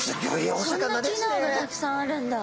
そんな機能がたくさんあるんだ。